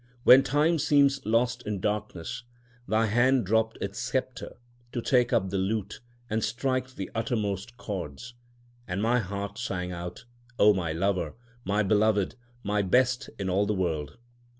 When time seemed lost in darkness, thy hand dropped its sceptre to take up the lute and strike the uttermost chords; And my heart sang out, O my Lover, my Beloved, my Best in all the world.